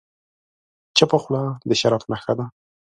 چپه خوله، د شرف نښه ده.